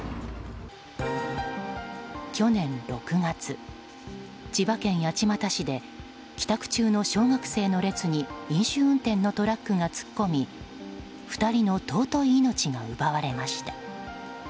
去年６月、千葉県八街市で帰宅中の小学生の列に飲酒運転のトラックが突っ込み２人の尊い命が奪われました。